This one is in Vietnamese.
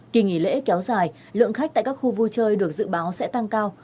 kỳ nghỉ lễ kéo dài lượng khách tại các khu vui chơi được dự báo sẽ tăng cao